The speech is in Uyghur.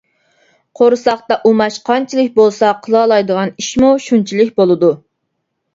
قورساقتا ئۇماچ قانچىلىك بولسا قىلالايدىغان ئىشمۇ شۇنچىلىك بولىدۇ.